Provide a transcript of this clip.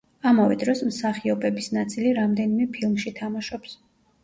ამავე დროს, მსახიობების ნაწილი რამდენიმე ფილმში თამაშობს.